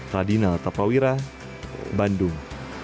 radina altafrawira bandung